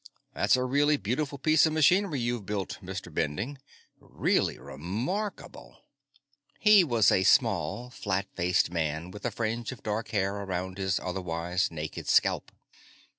"That's a really beautiful piece of machinery you've built, Mr. Bending. Really remarkable." He was a small, flat faced man with a fringe of dark hair around his otherwise naked scalp.